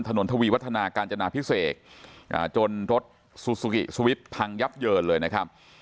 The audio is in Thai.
ทวีวัฒนาการจนาพิเศษจนรถซูซูกิสวิตช์พังยับเยินเลยนะครับ